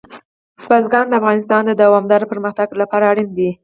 بزګان د افغانستان د دوامداره پرمختګ لپاره اړین دي.